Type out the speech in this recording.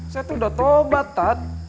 saya tuh udah tobat tat